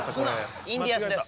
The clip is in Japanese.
インディアンスです。